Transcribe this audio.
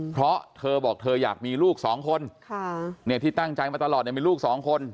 เพราะเธอบอกเธออยากมีลูกสองคนที่ตั้งใจมาตลอดมีลูกสองคน